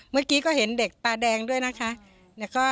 เมื่อกี้ก็เห็นเด็กตาแดงด้วยนะคะ